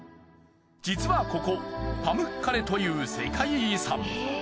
実はここパムッカレという世界遺産。